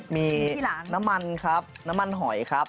มีน้ำมันครับน้ำมันหอยครับ